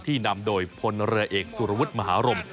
ที่นำโดยพลเรอเอกสุรวจมหารม